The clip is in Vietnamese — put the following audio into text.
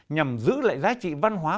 nhằm giữ lại giá trị văn hóa